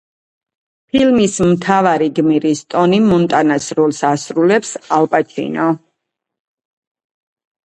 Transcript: ფილმის მთავარი გმირის ტონი მონტანას როლს ასრულებს ალ პაჩინო.